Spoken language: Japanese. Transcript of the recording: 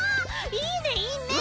いいねいいね！